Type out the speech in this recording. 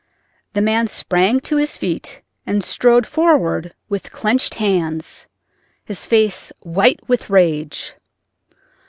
The man sprang to his feet and strode forward with clenched hands, his face white with rage.